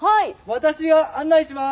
私が案内します！